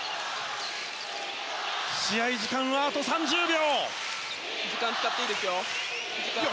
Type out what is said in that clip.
試合時間はあと３０秒。